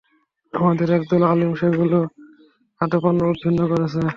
আমাদের একদল আলিমও সেগুলো আদ্যোপান্ত উদ্ধৃত করেছেন।